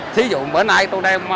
thí dụ bữa nay tôi đem